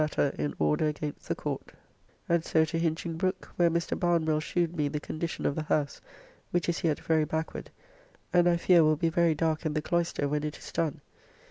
] matter in order against the Court, and so to Hinchingbroke, where Mr. Barnwell shewed me the condition of the house, which is yet very backward, and I fear will be very dark in the cloyster when it is done.